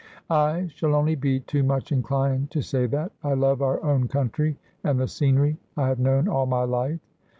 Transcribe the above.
'' I shall only be too much inclined to say that. I love our own country, and the scenery I have known all my life.'